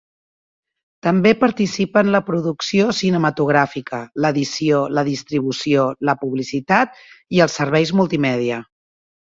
També participa en la producció cinematogràfica, l'edició, la distribució, la publicitat i els serveis multimèdia.